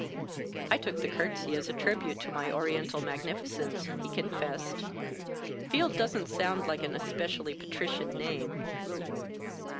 "I took the curtsey as a tribute to my Oriental magnificence," he confessed. "Field doesn't sound like an especially patrician name.